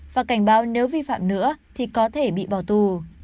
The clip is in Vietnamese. và cảnh báo nếu vi phạm nữa thì có thể bị bỏ tù